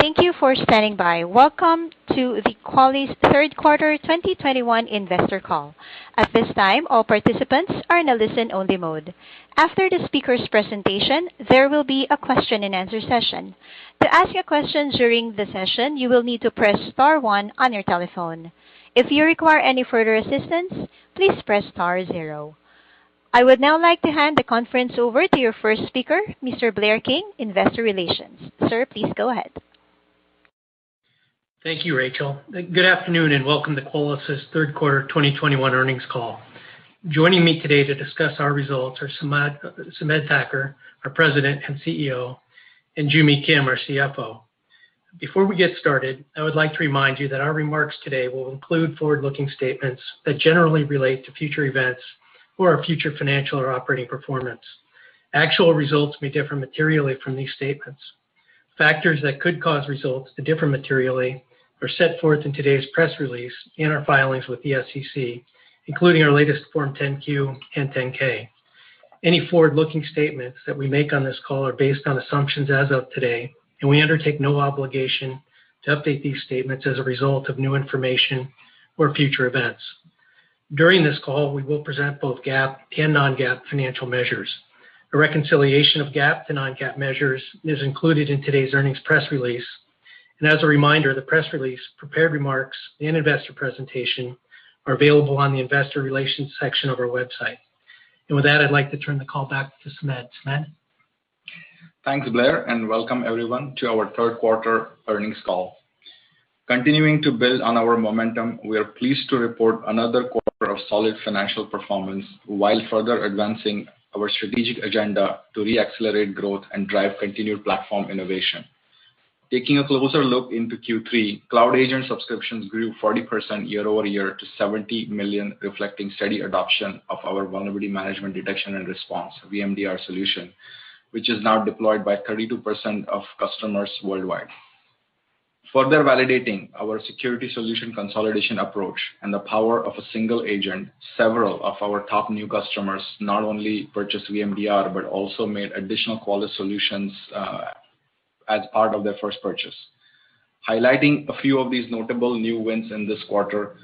Thank you for standing by. Welcome to the Qualys Third Quarter 2021 investor call. At this time, all participants are in a listen-only mode. After the speaker's presentation, there will be a question-and-answer session. To ask your question during the session, you will need to press star one on your telephone. If you require any further assistance, please press star zero. I would now like to hand the conference over to your first speaker, Mr. Blair King, Investor Relations. Sir, please go ahead. Thank you, Rachel. Good afternoon, and welcome to Qualys' Third Quarter 2021 earnings call. Joining me today to discuss our results are Sumedh Thakar, our President and CEO, and Joo Mi Kim, our CFO. Before we get started, I would like to remind you that our remarks today will include forward-looking statements that generally relate to future events or our future financial or operating performance. Actual results may differ materially from these statements. Factors that could cause results to differ materially are set forth in today's press release in our filings with the SEC, including our latest Form 10-Q and 10-K. Any forward-looking statements that we make on this call are based on assumptions as of today, and we undertake no obligation to update these statements as a result of new information or future events. During this call, we will present both GAAP and non-GAAP financial measures. A reconciliation of GAAP to non-GAAP measures is included in today's earnings press release. As a reminder, the press release, prepared remarks, and investor presentation are available on the investor relations section of our website. With that, I'd like to turn the call back to Sumedh. Sumedh? Thanks, Blair, and welcome everyone to our third quarter earnings call. Continuing to build on our momentum, we are pleased to report another quarter of solid financial performance while further advancing our strategic agenda to re-accelerate growth and drive continued platform innovation. Taking a closer look into Q3, Cloud Agent subscriptions grew 40% year-over-year to 70 million, reflecting steady adoption of our Vulnerability Management Detection and Response, VMDR solution, which is now deployed by 32% of customers worldwide. Further validating our security solution consolidation approach and the power of a single agent, several of our top new customers not only purchased VMDR, but also made additional Qualys solutions as part of their first purchase. Highlighting a few of these notable new wins in this quarter,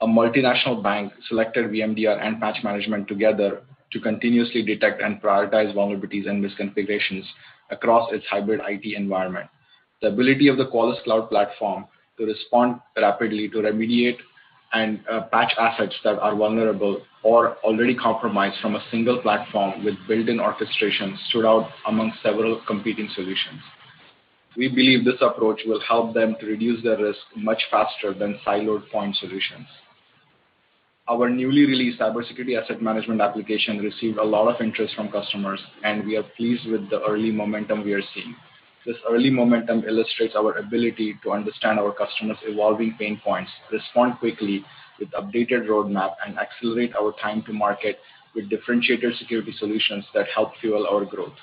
a multinational bank selected VMDR and Patch Management together to continuously detect and prioritize vulnerabilities and misconfigurations across its hybrid IT environment. The ability of the Qualys Cloud Platform to respond rapidly to remediate and patch assets that are vulnerable or already compromised from a single platform with built-in orchestration stood out among several competing solutions. We believe this approach will help them to reduce their risk much faster than siloed point solutions. Our newly released CyberSecurity Asset Management application received a lot of interest from customers, and we are pleased with the early momentum we are seeing. This early momentum illustrates our ability to understand our customers' evolving pain points, respond quickly with updated roadmap, and accelerate our time to market with differentiator security solutions that help fuel our growth.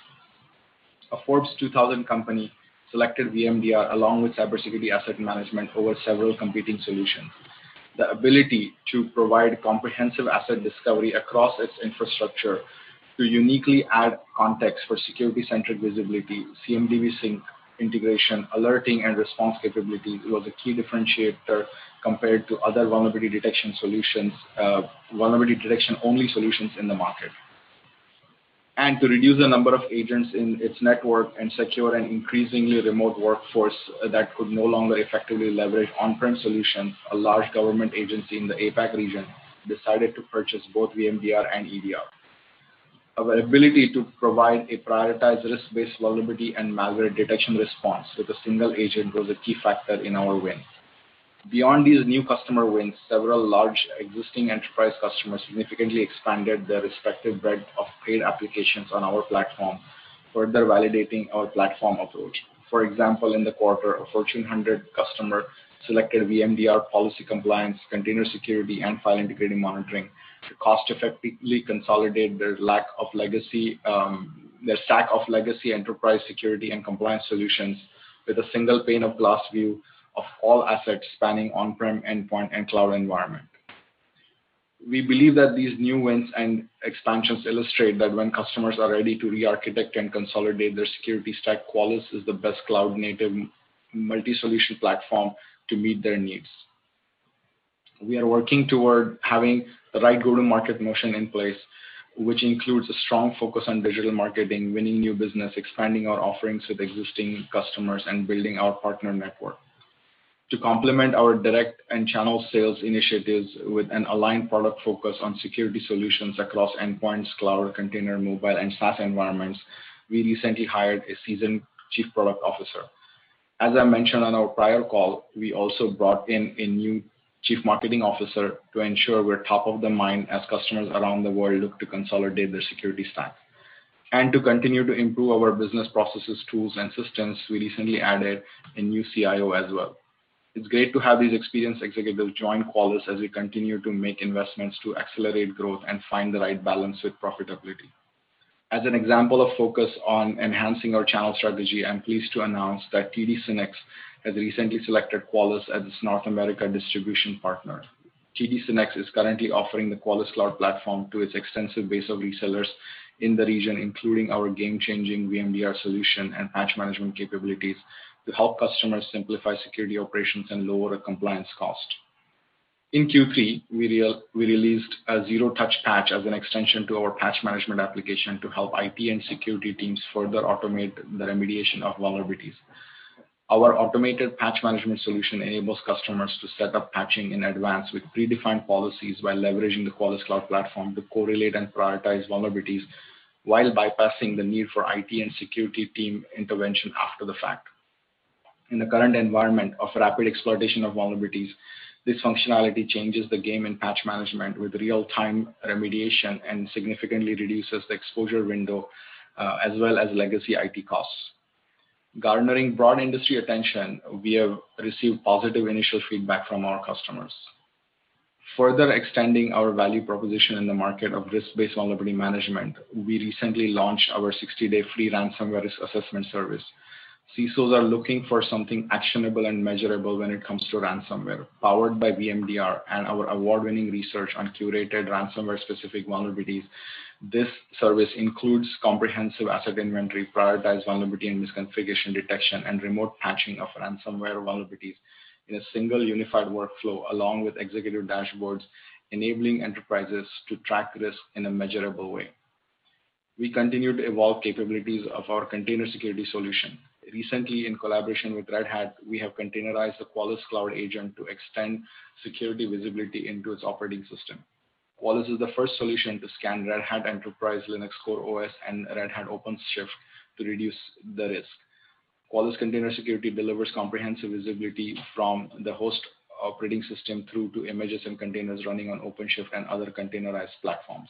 A Forbes Global 2000 company selected VMDR along with CyberSecurity Asset Management over several competing solutions. The ability to provide comprehensive asset discovery across its infrastructure to uniquely add context for security-centric visibility, CMDB sync integration, alerting, and response capability was a key differentiator compared to other vulnerability detection-only solutions in the market. To reduce the number of agents in its network and secure an increasingly remote workforce that could no longer effectively leverage on-prem solutions, a large government agency in the APAC region decided to purchase both VMDR and EDR. Our ability to provide a prioritized risk-based vulnerability and malware detection response with a single agent was a key factor in our win. Beyond these new customer wins, several large existing enterprise customers significantly expanded their respective breadth of paid applications on our platform, further validating our platform approach. For example, in the quarter, a Fortune 100 customer selected VMDR Policy Compliance, Container Security, and File Integrity Monitoring to cost effectively consolidate their stack of legacy enterprise security and compliance solutions with a single pane of glass view of all assets spanning on-prem, endpoint, and cloud environment. We believe that these new wins and expansions illustrate that when customers are ready to re-architect and consolidate their security stack. Qualys is the best cloud-native multi-solution platform to meet their needs. We are working toward having the right go-to-market motion in place, which includes a strong focus on digital marketing, winning new business, expanding our offerings with existing customers, and building our partner network. To complement our direct and channel sales initiatives with an aligned product focus on security solutions across endpoints, cloud, container, mobile, and SaaS environments, we recently hired a seasoned Chief Product Officer. As I mentioned on our prior call, we also brought in a new Chief Marketing Officer to ensure we're top of the mind as customers around the world look to consolidate their security stack. To continue to improve our business processes, tools, and systems, we recently added a new CIO as well. It's great to have these experienced executives join Qualys as we continue to make investments to accelerate growth and find the right balance with profitability. As an example of focus on enhancing our channel strategy, I'm pleased to announce that TD SYNNEX has recently selected Qualys as its North America distribution partner. TD SYNNEX is currently offering the Qualys Cloud Platform to its extensive base of resellers in the region, including our game-changing VMDR solution and Patch Management capabilities to help customers simplify security operations and lower compliance cost. In Q3, we released a Zero-Touch Patch as an extension to our Patch Management application to help IT and security teams further automate the remediation of vulnerabilities. Our automated Patch Management solution enables customers to set up patching in advance with predefined policies while leveraging the Qualys Cloud Platform to correlate and prioritize vulnerabilities, while bypassing the need for IT and security team intervention after the fact. In the current environment of rapid exploitation of vulnerabilities, this functionality changes the game in Patch Management with real-time remediation and significantly reduces the exposure window, as well as legacy IT costs. Garnering broad industry attention, we have received positive initial feedback from our customers. Further extending our value proposition in the market of risk-based vulnerability management, we recently launched our 60-day free Ransomware Risk Assessment Service. CISOs are looking for something actionable and measurable when it comes to ransomware. Powered by VMDR and our award-winning research on curated ransomware-specific vulnerabilities, this service includes comprehensive asset inventory, prioritized vulnerability and misconfiguration detection, and remote patching of ransomware vulnerabilities in a single unified workflow. Along with executive dashboards enabling enterprises to track risk in a measurable way. We continue to evolve capabilities of our Container Security solution. Recently in collaboration with Red Hat, we have containerized the Qualys Cloud Agent to extend security visibility into its operating system. Qualys is the first solution to scan Red Hat Enterprise Linux CoreOS and Red Hat OpenShift to reduce the risk. Qualys Container Security delivers comprehensive visibility from the host operating system through to images and containers running on OpenShift and other containerized platforms.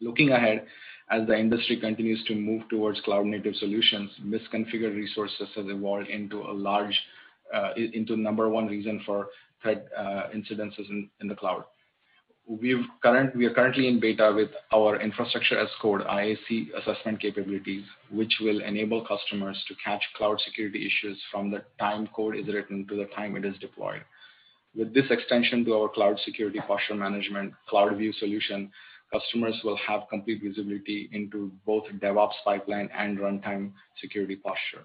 Looking ahead, as the industry continues to move towards cloud native solutions, misconfigured resources have evolved into a large into number one reason for threat incidences in the cloud. We are currently in beta with our Infrastructure as Code, IaC assessment capabilities, which will enable customers to catch cloud security issues from the time code is written to the time it is deployed. With this extension to our Cloud Security Posture Management CloudView solution, customers will have complete visibility into both DevOps pipeline and runtime security posture.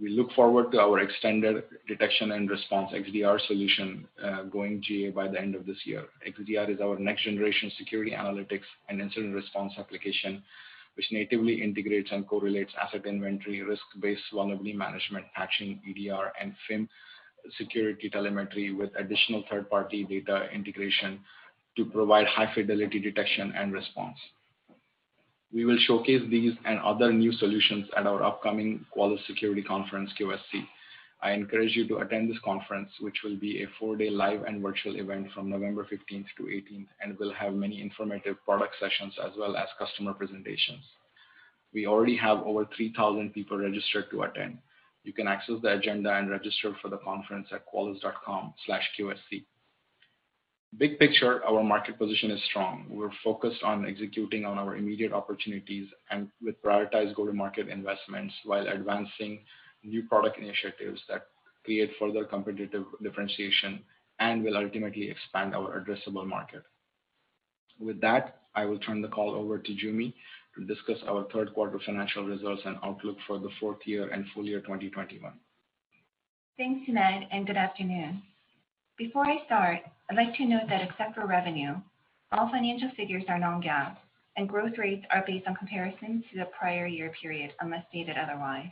We look forward to our Extended Detection and Response XDR solution going GA by the end of this year. XDR is our next generation security analytics and incident response application, which natively integrates and correlates asset inventory, risk-based vulnerability management, patching, EDR and FIM security telemetry with additional third-party data integration to provide high fidelity detection and response. We will showcase these and other new solutions at our upcoming Qualys Security Conference, QSC. I encourage you to attend this conference, which will be a four-day live and virtual event from November 15th-November 18th, and will have many informative product sessions as well as customer presentations. We already have over 3,000 people registered to attend. You can access the agenda and register for the conference at qualys.com/qsc. Big picture, our market position is strong. We're focused on executing on our immediate opportunities and with prioritized go-to-market investments while advancing new product initiatives that create further competitive differentiation and will ultimately expand our addressable market. With that, I will turn the call over to Joo Mi to discuss our third quarter financial results and outlook for the fourth quarter and full year 2021. Thanks, Sumedh, and good afternoon. Before I start, I'd like to note that except for revenue, all financial figures are non-GAAP, and growth rates are based on comparison to the prior year period unless stated otherwise.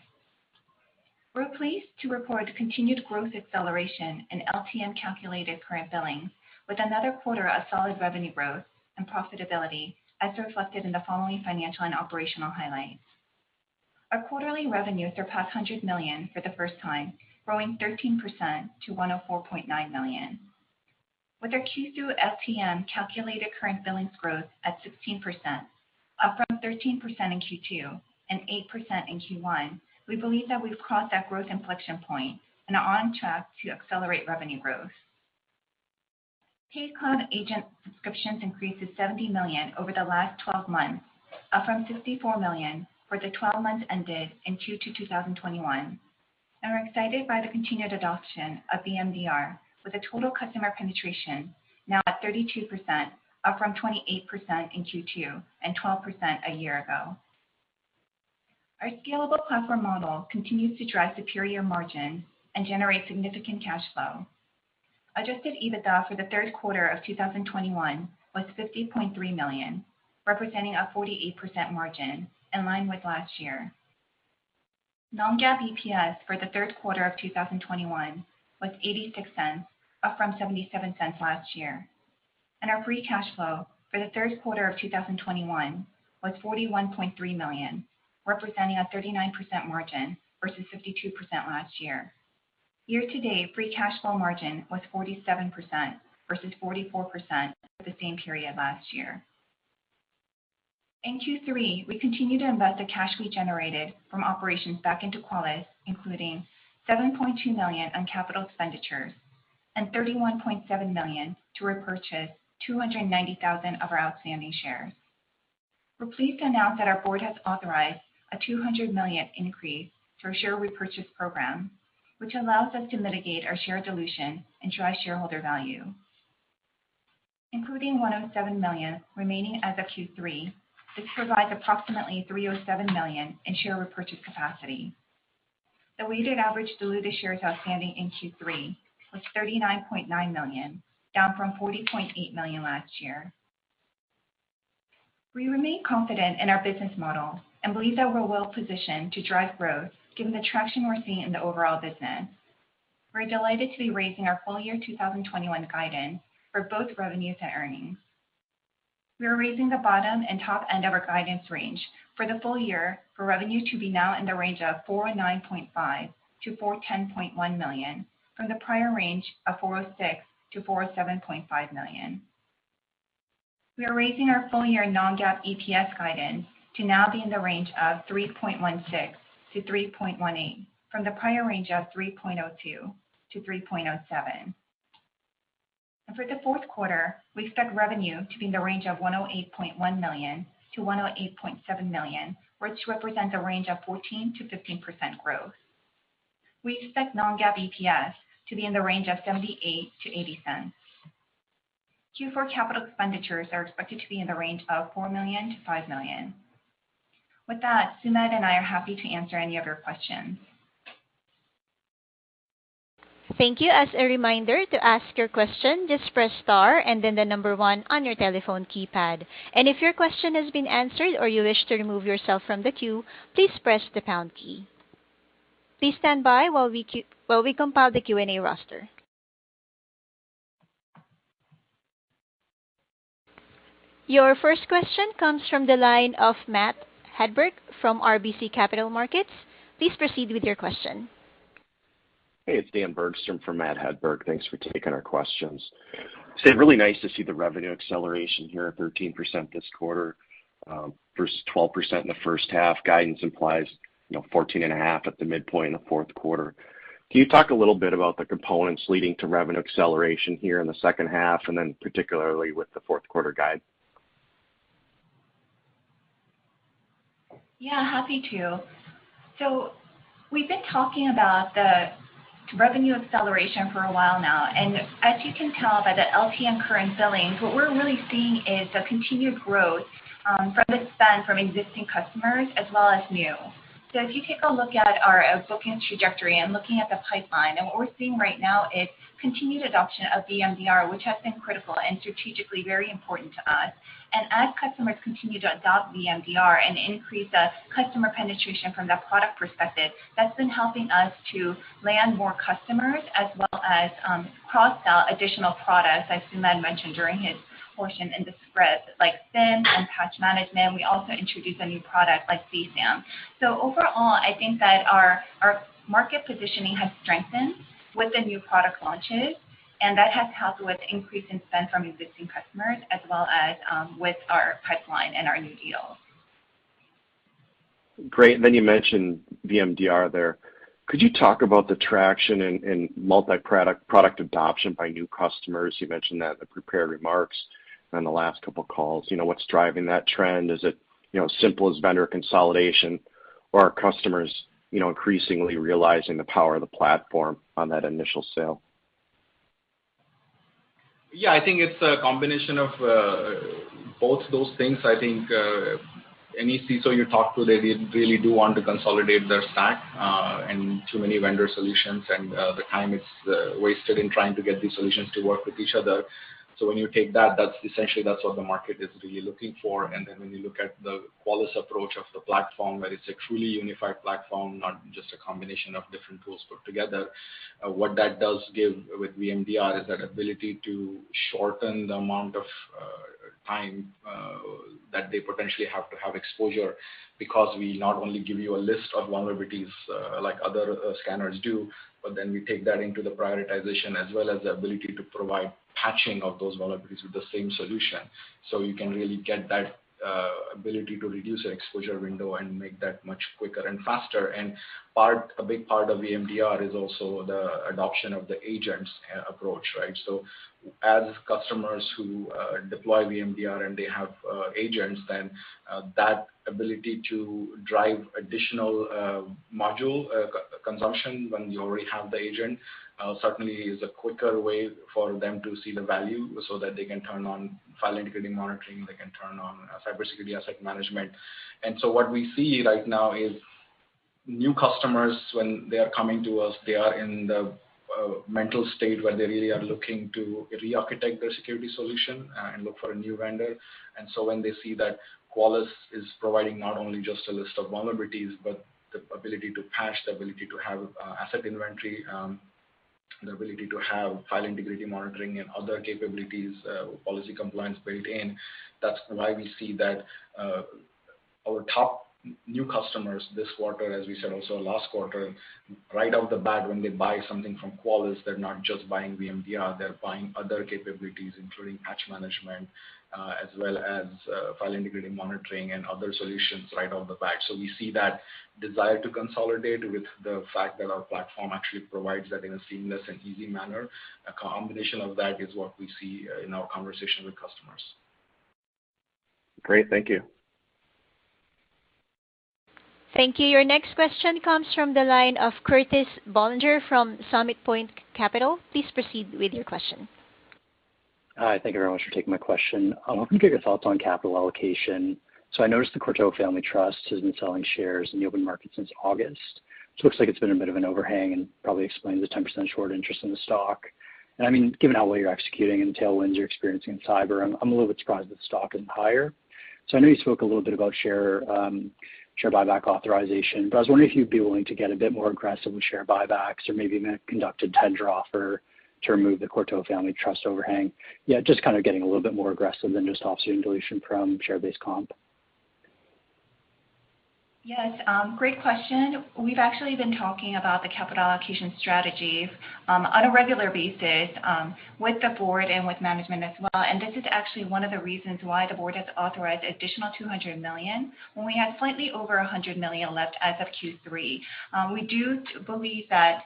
We're pleased to report continued growth acceleration in LTM calculated current billings with another quarter of solid revenue growth and profitability, as reflected in the following financial and operational highlights. Our quarterly revenue surpassed $100 million for the first time, growing 13% to $104.9 million. With our LTM calculated current billings growth at 16%, up from 13% in Q2 and 8% in Q1, we believe that we've crossed that growth inflection point and are on track to accelerate revenue growth. Paid Cloud Agent subscriptions increased to $70 million over the last 12 months, up from $54 million for the 12 months ended in Q2 2021, and we're excited by the continued adoption of VMDR with a total customer penetration now at 32%, up from 28% in Q2 and 12% a year ago. Our scalable platform model continues to drive superior margin and generate significant cash flow. Adjusted EBITDA for the third quarter of 2021 was $50.3 million, representing a 48% margin in line with last year. Non-GAAP EPS for the third quarter of 2021 was $0.86, up from $0.77 last year. Our free cash flow for the third quarter of 2021 was $41.3 million, representing a 39% margin versus 52% last year. Year-to-date, free cash flow margin was 47% versus 44% for the same period last year. In Q3, we continued to invest the cash we generated from operations back into Qualys, including $7.2 million on capital expenditures and $31.7 million to repurchase 290,000 of our outstanding shares. We're pleased to announce that our Board has authorized a $200 million increase to our share repurchase program, which allows us to mitigate our share dilution and drive shareholder value. Including $107 million remaining as of Q3, this provides approximately $307 million in share repurchase capacity. The weighted average diluted shares outstanding in Q3 was 39.9 million, down from 40.8 million last year. We remain confident in our business model and believe that we're well positioned to drive growth given the traction we're seeing in the overall business. We're delighted to be raising our full year 2021 guidance for both revenues and earnings. We are raising the bottom and top end of our guidance range for the full year for revenue to be now in the range of $409.5 million-$410.1 million, from the prior range of $406 million-$407.5 million. We are raising our full-year non-GAAP EPS guidance to now be in the range of $3.16-$3.18 from the prior range of $3.02-$3.07. For the fourth quarter, we expect revenue to be in the range of $108.1 million-$108.7 million, which represents a range of 14%-15% growth. We expect non-GAAP EPS to be in the range of $0.78-$0.80. Q4 capital expenditures are expected to be in the range of $4 million-$5 million. With that, Sumedh and I are happy to answer any of your questions. Thank you. Your first question comes from the line of Matt Hedberg from RBC Capital Markets. Please proceed with your question. Hey, it's Dan Bergstrom for Matt Hedberg. Thanks for taking our questions. It's been really nice to see the revenue acceleration here at 13% this quarter versus 12% in the first half. Guidance implies, you know, 14.5% at the midpoint in the fourth quarter. Can you talk a little bit about the components leading to revenue acceleration here in the second half and then particularly with the fourth quarter guide? Yeah, happy to. We've been talking about the revenue acceleration for a while now, and as you can tell by the LTM current billings, what we're really seeing is a continued growth from the spend from existing customers as well as new. If you take a look at our booking trajectory and looking at the pipeline and what we're seeing right now is continued adoption of VMDR, which has been critical and strategically very important to us. As customers continue to adopt VMDR and increase the customer penetration from the product perspective, that's been helping us to land more customers as well as cross-sell additional products, as Sumedh mentioned during his portion in the script, like FIM and Patch Management. We also introduced a new product like CSAM. Overall, I think that our market positioning has strengthened with the new product launches, and that has helped with increase in spend from existing customers as well as with our pipeline and our new deals. Great. You mentioned VMDR there. Could you talk about the traction in multi-product product adoption by new customers? You mentioned that in the prepared remarks on the last couple of calls. You know, what's driving that trend? Is it, you know, simple as vendor consolidation or are customers, you know, increasingly realizing the power of the platform on that initial sale? Yeah, I think it's a combination of both those things. I think any CISO you talk to, they really do want to consolidate their stack, and too many vendor solutions and the time is wasted in trying to get these solutions to work with each other. When you take that's essentially what the market is really looking for. Then when you look at the Qualys approach of the platform, where it's a truly unified platform, not just a combination of different tools put together. What that does give with VMDR is that ability to shorten the amount of time that they potentially have to have exposure because we not only give you a list of vulnerabilities like other scanners do, but then we take that into the prioritization as well as the ability to provide patching of those vulnerabilities with the same solution. So you can really get that ability to reduce your exposure window and make that much quicker and faster. A big part of VMDR is also the adoption of the agents approach, right? As customers who deploy VMDR and they have agents, then that ability to drive additional module consumption when you already have the agent certainly is a quicker way for them to see the value so that they can turn on File Integrity Monitoring. They can turn on CyberSecurity Asset Management. What we see right now is new customers, when they are coming to us, they are in the mental state where they really are looking to rearchitect their security solution and look for a new vendor. When they see that Qualys is providing not only just a list of vulnerabilities, but the ability to patch, the ability to have asset inventory, the ability to have File Integrity Monitoring and other capabilities, Policy Compliance built in, that's why we see that our top new customers this quarter, as we said also last quarter, right off the bat, when they buy something from Qualys, they're not just buying VMDR, they're buying other capabilities, including Patch Management, as well as File Integrity Monitoring and other solutions right off the bat. We see that desire to consolidate with the fact that our platform actually provides that in a seamless and easy manner. A combination of that is what we see in our conversation with customers. Great. Thank you. Thank you. Your next question comes from the line of Curtis Boulanger from Summit Point Capital. Please proceed with your question. Hi, thank you very much for taking my question. I'm hoping to get your thoughts on capital allocation. I noticed the Courtot Family Trust has been selling shares in the open market since August. It looks like it's been a bit of an overhang and probably explains the 10% short interest in the stock. I mean, given how well you're executing and the tailwinds you're experiencing in cyber, I'm a little bit surprised that the stock isn't higher. I know you spoke a little bit about share buyback authorization, but I was wondering if you'd be willing to get a bit more aggressive with share buybacks or maybe even conduct a tender offer to remove the Courtot Family Trust overhang. Yeah, just kind of getting a little bit more aggressive than just offsetting dilution from share-based comp. Yes, great question. We've actually been talking about the capital allocation strategies on a regular basis with the Board and with Management as well. This is actually one of the reasons why the Board has authorized additional $200 million when we had slightly over $100 million left as of Q3. We do believe that,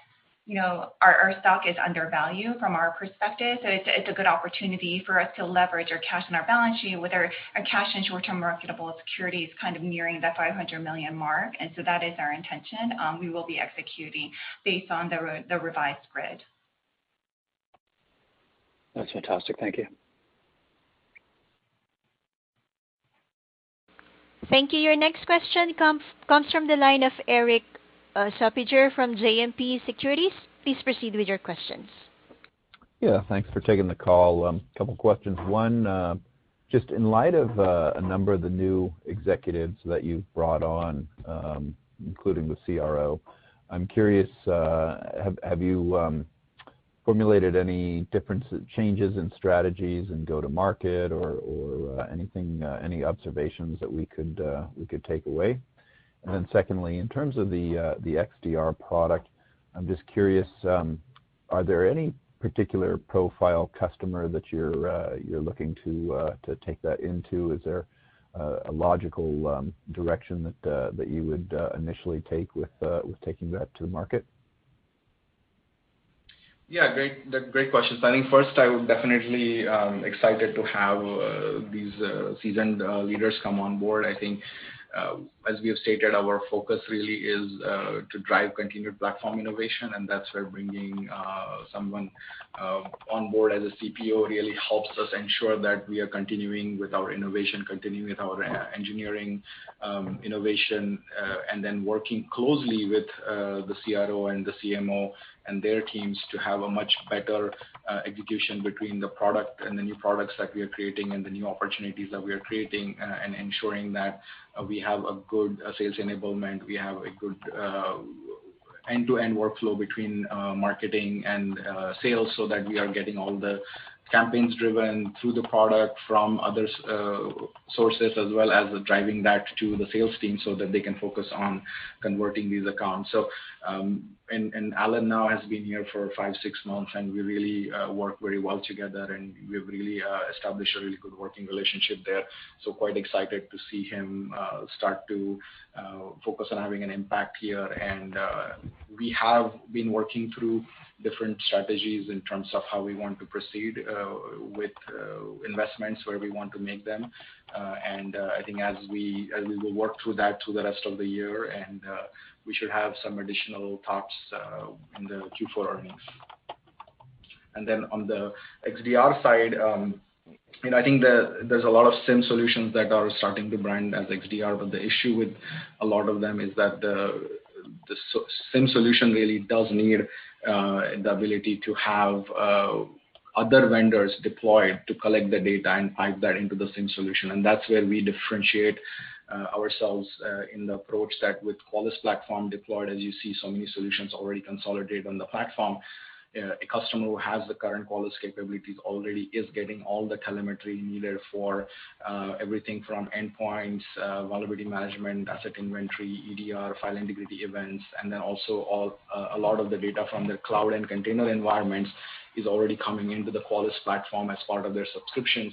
you know, our stock is undervalued from our perspective, so it's a good opportunity for us to leverage our cash on our balance sheet with our cash and short-term marketable securities kind of nearing the $500 million mark. That is our intention. We will be executing based on the revised grid. That's fantastic. Thank you. Thank you. Your next question comes from the line of Erik Suppiger from JMP Securities. Please proceed with your questions. Yeah, thanks for taking the call. A couple questions. One, just in light of a number of the new executives that you've brought on, including the CRO, I'm curious, have you formulated any difference, changes in strategies in go-to-market or anything, any observations that we could take away? Then secondly, in terms of the XDR product, I'm just curious, are there any particular profile customer that you're looking to take that into? Is there a logical direction that you would initially take with taking that to market? Yeah, great. Great questions. I think first, I would definitely excited to have these seasoned leaders come on board. I think, as we have stated, our focus really is to drive continued platform innovation, and that's where bringing someone on board as a CPO really helps us ensure that we are continuing with our innovation, continuing with our engineering innovation. Then working closely with the CRO and the CMO and their teams to have a much better execution between the product and the new products that we are creating and the new opportunities that we are creating, and ensuring that we have a good sales enablement. We have a good end-to-end workflow between marketing and sales so that we are getting all the campaigns driven through the product from other sources as well as driving that to the sales team so that they can focus on converting these accounts. Allan Peters now has been here for five, six months, and we really work very well together, and we've really established a really good working relationship there. Quite excited to see him start to focus on having an impact here. We have been working through different strategies in terms of how we want to proceed with investments, where we want to make them. I think as we will work through that through the rest of the year and we should have some additional thoughts in the Q4 earnings. Then on the XDR side, you know, I think there's a lot of SIEM solutions that are starting to brand as XDR, but the issue with a lot of them is that the SIEM solution really does need the ability to have other vendors deployed to collect the data and pipe that into the SIEM solution. That's where we differentiate ourselves in the approach that with Qualys platform deployed, as you see so many solutions already consolidate on the platform. A customer who has the current Qualys capabilities already is getting all the telemetry needed for everything from endpoints, vulnerability management, asset inventory, EDR, file integrity events, and then also a lot of the data from the cloud and container environments is already coming into the Qualys platform as part of their subscription.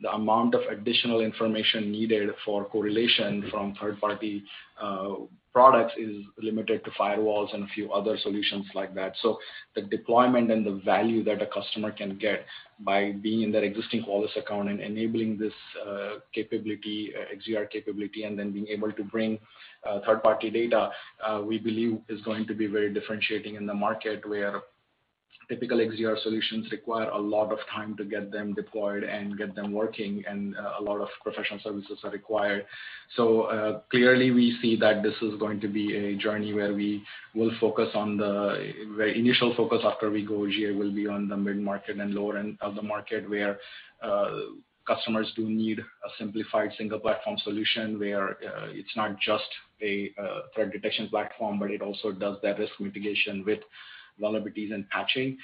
The amount of additional information needed for correlation from third-party products is limited to firewalls and a few other solutions like that. The deployment and the value that a customer can get by being in that existing Qualys account and enabling this capability, XDR capability, and then being able to bring third-party data, we believe is going to be very differentiating in the market. Where typical XDR solutions require a lot of time to get them deployed and get them working, and a lot of professional services are required. Clearly, we see that this is going to be a journey where the initial focus after we go here will be on the mid-market and lower end of the market, where customers do need a simplified single platform solution, where it's not just a threat detection platform. But it also does that risk mitigation with vulnerabilities and patching,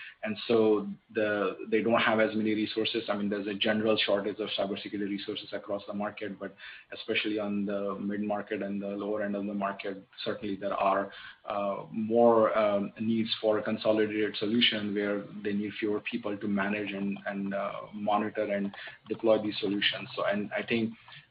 they don't have as many resources. I mean, there's a general shortage of cybersecurity resources across the market, but especially on the mid-market and the lower end of the market. Certainly there are more needs for a consolidated solution where they need fewer people to manage and monitor and deploy these solutions. I think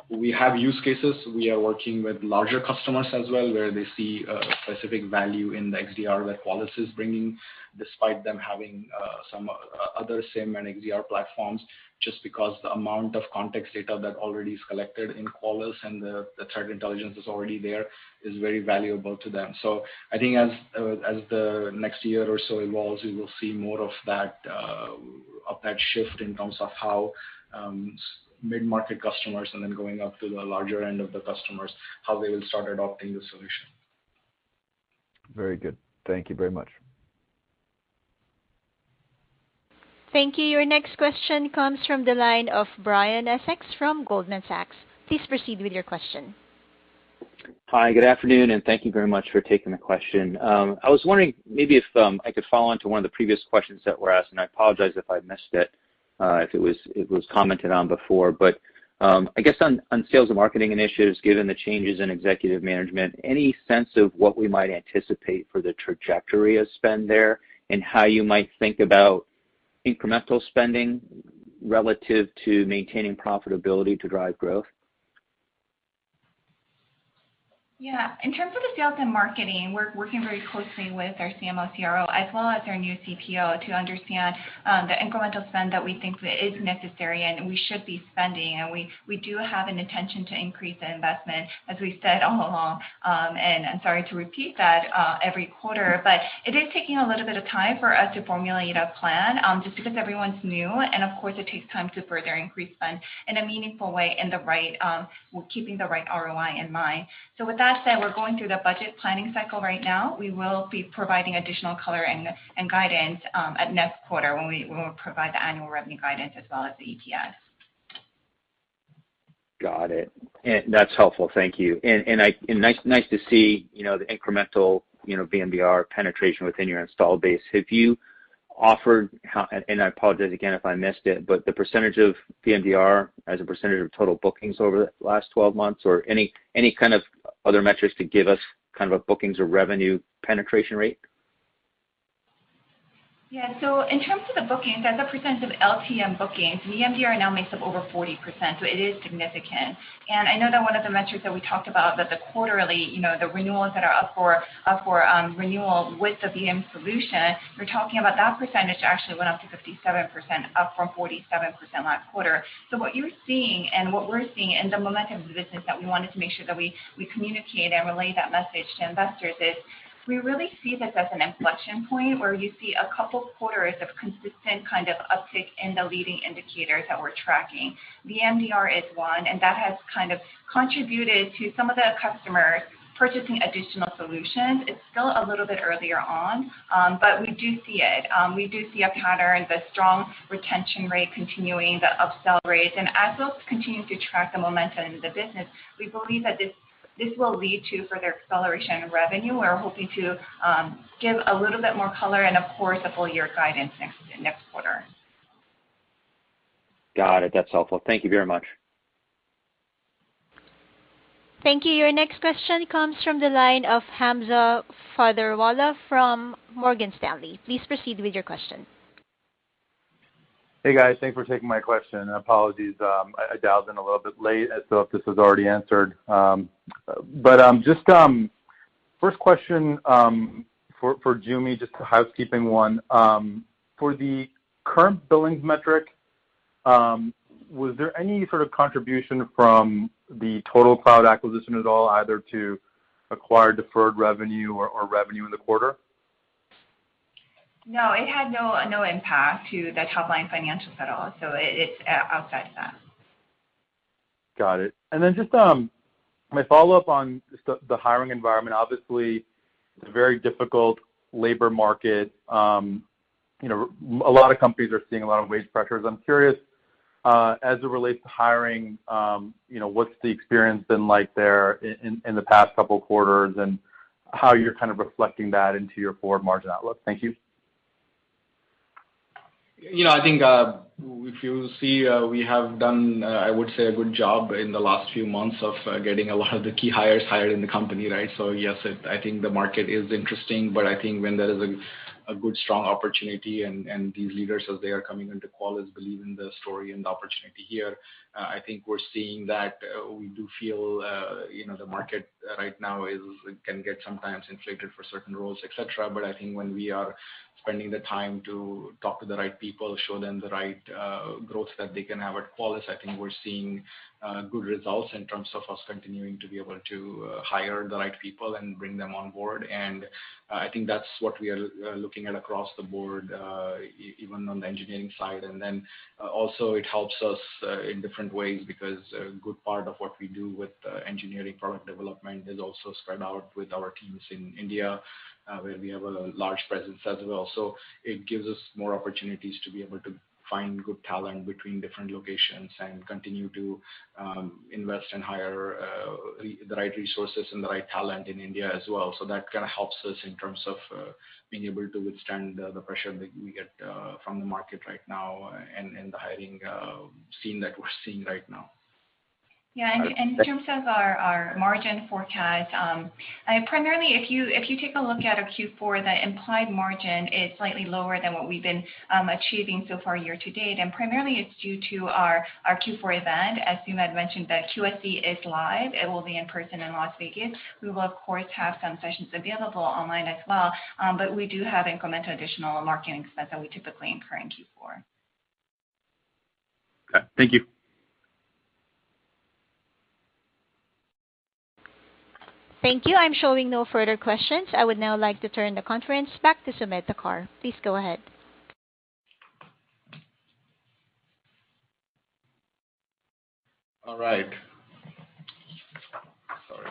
we have use cases. We are working with larger customers as well, where they see specific value in the XDR that Qualys is bringing, despite them having some other SIEM and XDR platforms, just because the amount of context data that already is collected in Qualys and the threat intelligence is already there is very valuable to them. I think as the next year or so evolves, we will see more of that, of that shift in terms of how mid-market customers and then going up to the larger end of the customers, how they will start adopting the solution. Very good. Thank you very much. Thank you. Your next question comes from the line of Brian Essex from Goldman Sachs. Please proceed with your question. Hi, good afternoon, and thank you very much for taking the question. I was wondering maybe if I could follow on to one of the previous questions that were asked, and I apologize if I missed it, if it was commented on before. I guess on sales and marketing initiatives, given the changes in executive management, any sense of what we might anticipate for the trajectory of spend there and how you might think about incremental spending relative to maintaining profitability to drive growth? Yeah. In terms of the sales and marketing, we're working very closely with our CMO, CRO, as well as our new CPO to understand the incremental spend that we think is necessary and we should be spending. We do have an intention to increase the investment, as we said all along, and I'm sorry to repeat that every quarter. It is taking a little bit of time for us to formulate a plan, just because everyone's new and of course it takes time to further increase spend in a meaningful way in the right, keeping the right ROI in mind. With that said, we're going through the budget planning cycle right now. We will be providing additional color and guidance at next quarter when we'll provide the annual revenue guidance as well as the EPS. Got it. That's helpful. Thank you. Nice to see, you know, the incremental, you know, VMDR penetration within your installed base. Have you offered, and I apologize again if I missed it, but the percentage of VMDR as a percentage of total bookings over the last 12 months or any kind of other metrics to give us kind of a bookings or revenue penetration rate? Yeah. In terms of the bookings, as a percent of LTM bookings, VMDR now makes up over 40%, so it is significant. I know that one of the metrics that we talked about that the quarterly, you know, the renewals that are up for renewal with the VM solution, we're talking about that percentage actually went up to 57%, up from 47% last quarter. What you're seeing and what we're seeing and the momentum of the business that we wanted to make sure that we communicate and relay that message to investors is we really see this as an inflection point where you see a couple quarters of consistent kind of uptick in the leading indicators that we're tracking. VMDR is one, and that has kind of contributed to some of the customers purchasing additional solutions. It's still a little bit earlier on, but we do see it. We do see a pattern, the strong retention rate continuing, the upsell rates. As folks continue to track the momentum in the business, we believe that this will lead to further acceleration of revenue. We're hoping to give a little bit more color and of course a full year guidance next quarter. Got it. That's helpful. Thank you very much. Thank you. Your next question comes from the line of Hamza Fodderwala from Morgan Stanley. Please proceed with your question. Hey, guys. Thanks for taking my question. Apologies, I dialed in a little bit late as to whether this was already answered. Just first question for Joo Mi, just a housekeeping one. For the current billings metric, was there any sort of contribution from the TotalCloud acquisition at all, either acquired deferred revenue or revenue in the quarter? No, it had no impact to the top-line financials at all, so it's outside that. Got it. Just my follow-up on just the hiring environment, obviously it's a very difficult labor market. You know, a lot of companies are seeing a lot of wage pressures. I'm curious, as it relates to hiring, you know, what's the experience been like there in the past couple of quarters and how you're kind of reflecting that into your forward margin outlook? Thank you. You know, I think, if you see, we have done, I would say a good job in the last few months of getting a lot of the key hires hired in the company, right? Yes, I think the market is interesting, but I think when there is a good strong opportunity and these leaders as they are coming into Qualys believe in the story and the opportunity here, I think we're seeing that, we do feel, you know, the market right now is, it can get sometimes inflated for certain roles, et cetera. I think when we are spending the time to talk to the right people, show them the right growth that they can have at Qualys, I think we're seeing good results in terms of us continuing to be able to hire the right people and bring them on board. I think that's what we are looking at across the board, even on the engineering side. Also it helps us in different ways because a good part of what we do with engineering product development is also spread out with our teams in India, where we have a large presence as well. It gives us more opportunities to be able to find good talent between different locations and continue to invest and hire the right resources and the right talent in India as well. That kind of helps us in terms of being able to withstand the pressure that we get from the market right now and the hiring scene that we're seeing right now. Yeah. In terms of our margin forecast, primarily if you take a look at our Q4, the implied margin is slightly lower than what we've been achieving so far year to date, and primarily it's due to our Q4 event. As Sumedh mentioned, that QSC is live. It will be in person in Las Vegas. We will of course have some sessions available online as well, but we do have incremental additional marketing spend that we typically incur in Q4. Okay. Thank you. Thank you. I'm showing no further questions. I would now like to turn the conference back to Sumedh Thakar. Please go ahead. All right. Sorry.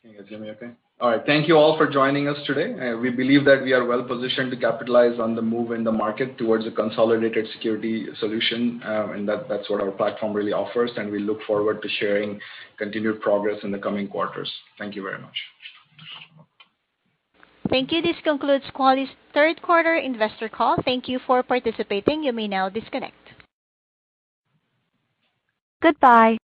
Can you hear me okay? All right. Thank you all for joining us today. We believe that we are well positioned to capitalize on the move in the market towards a consolidated security solution, and that's what our platform really offers, and we look forward to sharing continued progress in the coming quarters. Thank you very much. Thank you. This concludes Qualys' third quarter investor call. Thank you for participating. You may now disconnect. Goodbye.